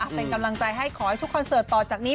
เป็นกำลังใจให้ขอให้ทุกคอนเสิร์ตต่อจากนี้